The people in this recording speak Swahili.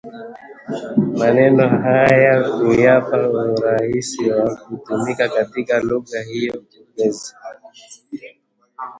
maneno hayo na kuyapa urahisi wa kutumika katika lugha hiyo pokezi